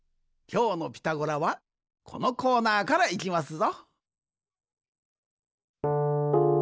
きょうの「ピタゴラ」はこのコーナーからいきますぞ。